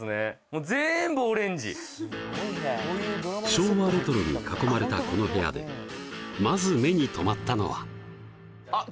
昭和レトロに囲まれたこの部屋でまず目に留まったのはあっ